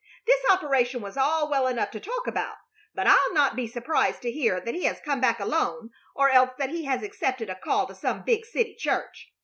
This operation was all well enough to talk about, but I'll not be surprised to hear that he has come back alone or else that he has accepted a call to some big city church.